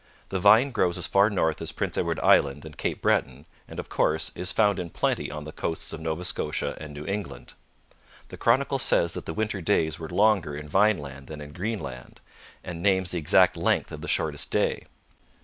The vine grows as far north as Prince Edward Island and Cape Breton, and, of course, is found in plenty on the coasts of Nova Scotia and New England. The chronicle says that the winter days were longer in Vineland than in Greenland, and names the exact length of the shortest day.